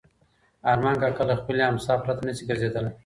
ارمان کاکا له خپلې امسا پرته نه شي ګرځېدلی.